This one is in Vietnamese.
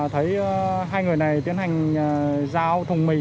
thấy hai người này tiến hành giao thùng mì